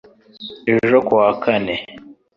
Ejo ku wa kane